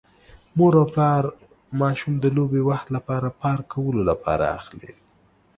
مور او پلار ماشوم د لوبې وخت لپاره پارک کولو لپاره اخلي.